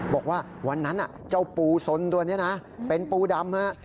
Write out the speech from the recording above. บอกว่าวันนั้นเจ้าปูสนตัวนี้นะเป็นปูดำฮะ